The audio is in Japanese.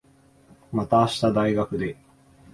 また明日、大学で。